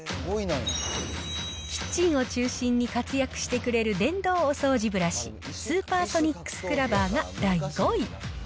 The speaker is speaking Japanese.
キッチンを中心に活躍してくれる電動お掃除ブラシ、スーパーソニックスクラバーが第５位。